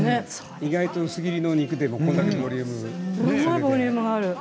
意外と薄切りの肉でもボリュームがね。